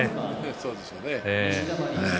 そうでしょうね。